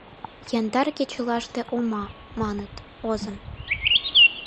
Яндар кечылаште ума, маныт, озым.